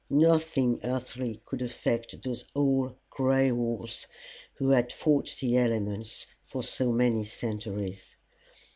Nothing earthly could affect those old gray walls that had fought the elements for so many centuries.